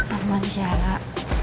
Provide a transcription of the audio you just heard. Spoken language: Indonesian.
aman insya allah